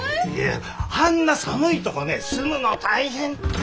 あんな寒いとこね住むの大変。